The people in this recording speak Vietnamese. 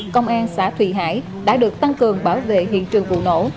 công an xã thủy hải đã được tăng cường bảo vệ hiện trường vụ nổ